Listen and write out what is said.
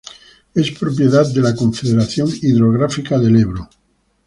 Es propiedad de la Confederación Hidrográfica del Ebro.